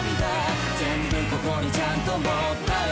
「全部ここにちゃんと持ったよ